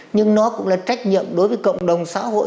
nhưng nó cũng là trách nhiệm đối với cộng đồng xã hội